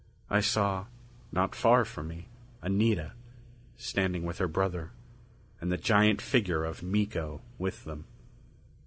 I saw, not far from me, Anita, standing with her brother; and the giant figure of Miko with them.